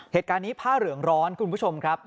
เหตุการณ์นี้ผ้าเหลืองร้อนคุณผู้ชมครับ